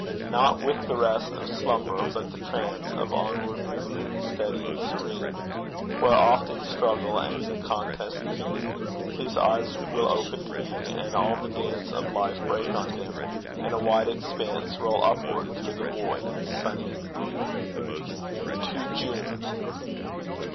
Not with the rest of slumber, but the trance Of onward movement steady and serene, Where oft in struggle and in contest keen His eyes will opened be, and all the dance Of life break on him, and a wide expanse Roll upward through the void, sunny and green. TO JUNE.